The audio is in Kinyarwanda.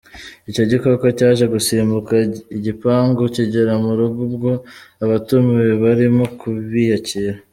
Icyo gikoko cyaje gusimbuka igipangu kigera mu rugo ubwo abatumiwe barimo biyakira.